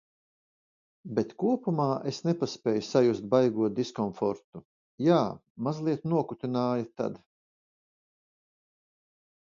Bet kopumā es nepaspēju sajust baigo diskomfortu. Jā, mazliet nokutināja tad.